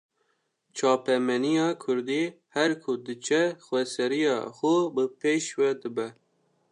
Çapemeniya kurdî, her ku diçe xweseriya xwe bi pêş ve dibe